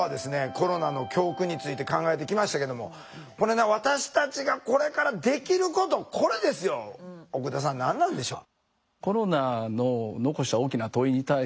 コロナの教訓について考えてきましたけどもこれね私たちがこれからできることこれですよ奥田さん何なんでしょう？